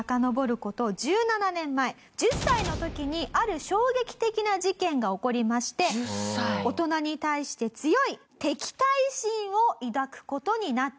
１０歳の時にある衝撃的な事件が起こりまして大人に対して強い敵対心を抱く事になってしまうんです。